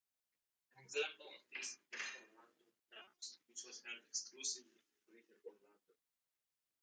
An example of this is "Orlando Bounce", which was heard exclusively in Greater Orlando.